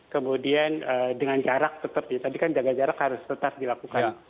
kemudian dengan jarak tetap ya tadi kan jaga jarak harus tetap dilakukan